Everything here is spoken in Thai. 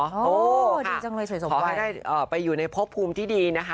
โอ้โหนะค่ะดีจังเลยเฉยไว้ขอให้ได้ไปอยู่ในพพภูมิที่ดีนะคะ